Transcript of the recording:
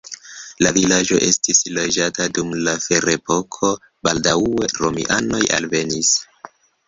La vilaĝo estis loĝata dum la ferepoko, baldaŭe romianoj alvenis.